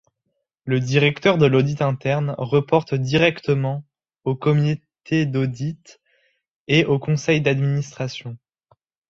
Le Directeur de l’Audit Interne reporte directement au comité d'audit et au conseil d'administration.